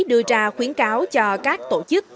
đưa ra khuyến cáo cho các tổ chức